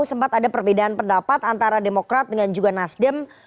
sempat ada perbedaan pendapat antara demokrat dengan juga nasdem